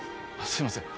すいません